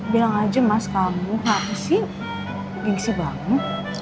bilang aja mas kamu kenapa sih gengsi banget